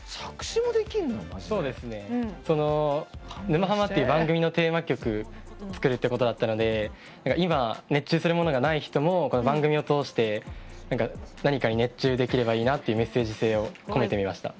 「沼ハマ」っていう番組のテーマ曲作るってことだったので今熱中するものがない人も番組を通して何かに熱中できればいいなっていうメッセージ性を込めてみました。